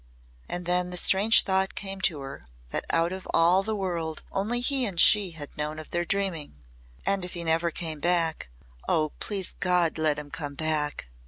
And then the strange thought came to her that out of all the world only he and she had known of their dreaming. And if he never came back ! (Oh! please, God, let him come back!)